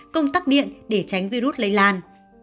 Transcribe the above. công tắc điện để tránh virus lây lan